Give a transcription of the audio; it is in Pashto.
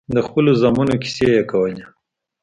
د خپلو زامنو کيسې يې کولې.